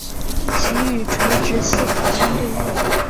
其与垂直思考相对应。